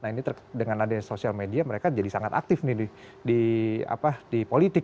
nah ini dengan adanya sosial media mereka jadi sangat aktif di politik